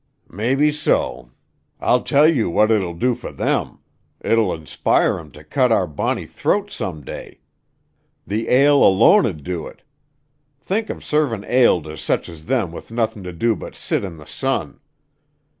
"Mebbe so. I'll tell you what it'ull do for them, it'll inspire 'em to cut our bonny throats some day. The ale alone 'ud do it. Think of servin' ale to sech as them with nothin' to do but sit in the sun.